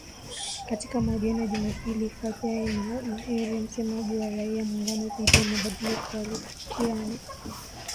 Katika mahojiano ya Jumapili, Fadzayi Mahere, msemaji wa raia muungano dhidi ya mabadiliko aliwafikisia ma salamu kutoka kwa rahisi